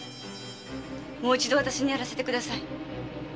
もう一度わたしにやらせてください。